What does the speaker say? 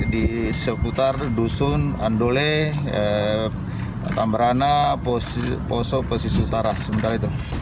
di seputar dusun andole tambarana poso pesisir utara